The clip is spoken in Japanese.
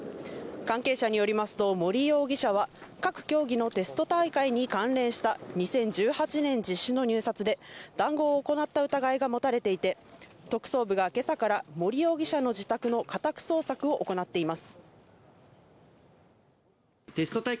関係者によりますと森容疑者は各競技のテスト大会に関連した２０１８年実施の入札で、談合を行った疑いが持たれていて、特捜部が今朝から森容疑者の自宅の家宅捜索を行っています。